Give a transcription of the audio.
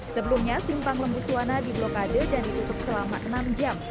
sebelumnya simpang lembu suwana diblokade dan ditutup selama enam jam